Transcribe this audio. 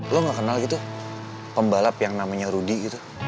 lo gak kenal gitu pembalap yang namanya rudy gitu